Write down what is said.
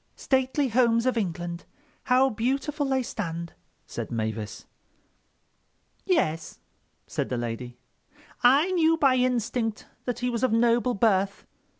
"'Stately homes of England—how beautiful they stand,'" said Mavis. "Yes," said the lady. "I knew by instinct that he was of noble birth."